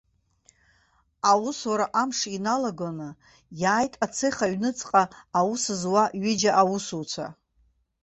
Аусура амш иналагоны, иааит ацех аҩныҵҟа аус зуа ҩыџьа аусуцәа.